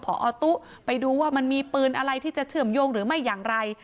พอตุ๊ไปดูว่ามันมีปืนอะไรที่จะเชื่อมโยงหรือไม่อย่างไร